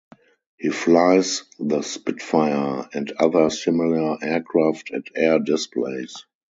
He flies the Spitfire and other similar aircraft at air displays.